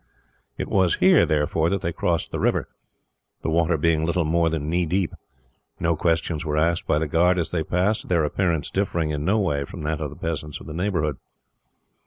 It was here, therefore, that they crossed the river, the water being little more than knee deep. No questions were asked by the guard as they passed, their appearance differing in no way from that of the peasants of the neighbourhood.